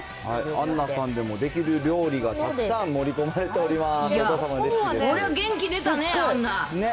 アンナさんでもできる料理がたくさん盛り込まれております。